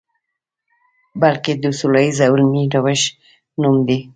بلکې د سولیز او علمي روش نوم دی.